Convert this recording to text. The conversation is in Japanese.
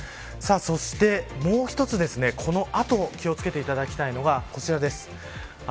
そしてもう一つ、この後気を付けていただきたいことがこちらです。